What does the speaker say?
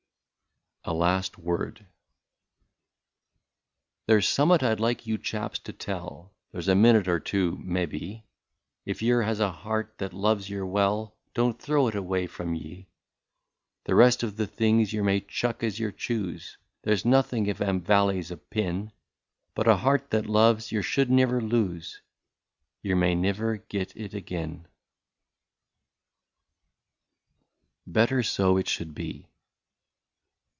196 A LAST WORD. *^ There 's summut I 'd like you chaps to tell There 's a minute or two, mebbe — If yer has a heart that loves yer well, — Don't throw it away from ye. ' The rest of the things yer may chuck as yer choose, — There 's none of 'em vallies a pin ; But a heart that loves, yer should nivver lose, — Yer may nivver git it agin/* 197 BETTER IT SO SHOULD BE.